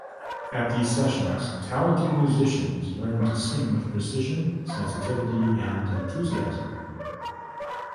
At these sessions, talented musicians learned to sing with precision, sensitivity, and enthusiasm.